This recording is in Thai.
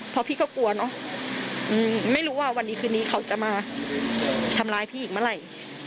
เพราะพี่ก็กลัวเนอะไม่รู้ว่าวันนี้คืนนี้เขาจะมาทำร้ายพี่อีกเมื่อไหร่